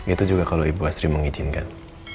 itu juga kalau ibu asri mengizinkan